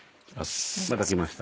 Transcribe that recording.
また来ました。